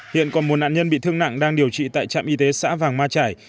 hiện còn một nạn nhân bị thương nặng đang điều trị tại trạm y tế xã vàng ma trải